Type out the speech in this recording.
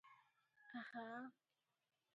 ଆହା!